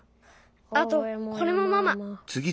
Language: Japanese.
あとこれもママ。